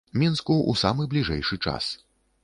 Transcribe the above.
Мінску ў самы бліжэйшы час.